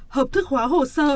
hợp thức hóa hồ sơ